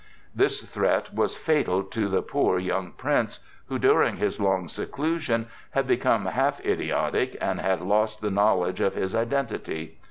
This threat was fatal to the poor young Prince, who during his long seclusion had become half idiotic and had lost the knowledge of his identity.